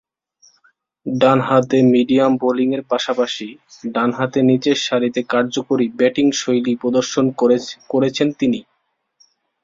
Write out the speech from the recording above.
ডানহাতে মিডিয়াম বোলিংয়ের পাশাপাশি ডানহাতে নিচেরসারিতে কার্যকরী ব্যাটিংশৈলী প্রদর্শন করেছেন তিনি।